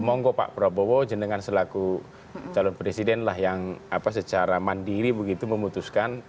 monggo pak prabowo jenengan selaku calon presiden lah yang secara mandiri begitu memutuskan